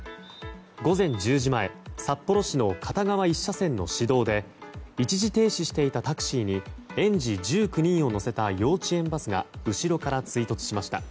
午前１０時ごろ札幌市の片側１車線の市道で一時停止していたタクシーに園児１９人を乗せた幼稚園バスが後ろから追突しました。